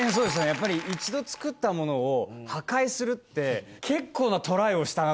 やっぱり一度作ったものを破壊するって。